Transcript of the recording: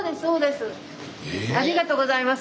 ありがとうございます。